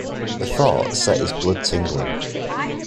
The thought set his blood tingling.